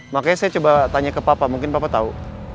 makanya saya coba tanya ke papa mungkin bapak tahu